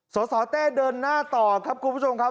สสเต้เดินหน้าต่อครับคุณผู้ชมครับ